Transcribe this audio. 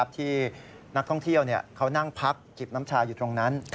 ที่นักท่องเที่ยวเขานั่งพักจิบน้ำชาอยู่ตรงนั้น